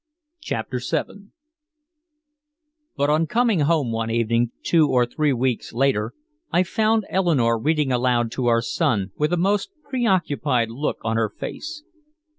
CHAPTER VII But on coming home one evening two or three weeks later, I found Eleanore reading aloud to our son with a most preoccupied look on her face.